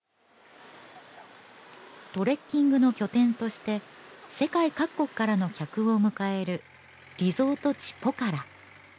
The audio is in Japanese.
トレッキングの拠点として世界各国からの客を迎えるリゾート地ポカラ